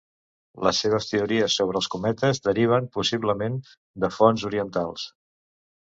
Les seves teories sobre els cometes deriven possiblement de fonts orientals.